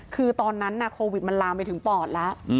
คือตอนนั้นโควิดมันลามไปถึงปอดแล้ว